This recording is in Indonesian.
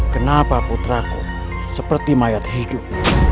kenapa putra ku seperti mayat hidup